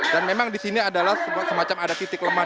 dan memang disini adalah semacam ada titik lemah